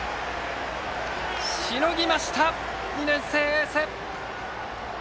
しのぎました、２年生エース河野。